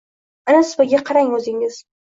Ana supaga qarang o‘zingiz!